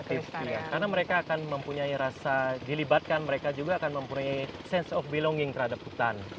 karena mereka akan mempunyai rasa dilibatkan mereka juga akan mempunyai sense of belonging terhadap hutan